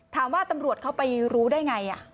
ตำรวจเขาไปรู้ได้ไง